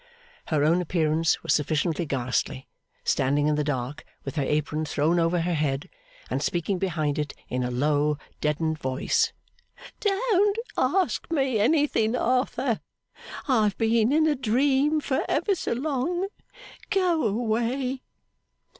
Her own appearance was sufficiently ghastly, standing in the dark with her apron thrown over her head, and speaking behind it in a low, deadened voice. 'Don't ask me anything, Arthur. I've been in a dream for ever so long. Go away!